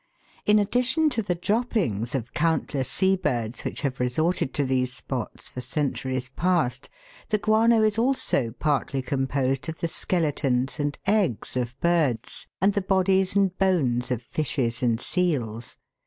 In addition to the droppings of countless sea birds which have resorted to these spots for centuries past, the guano is also partly composed of the skeletons and eggs of birds, and the bodies and bones of fishes and seals.